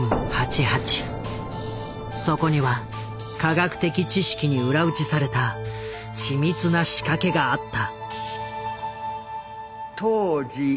そこには科学的知識に裏打ちされた緻密な仕掛けがあった。